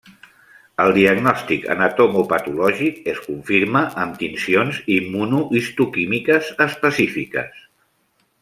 El diagnòstic anatomopatològic es confirma amb tincions immunohistoquímiques específiques.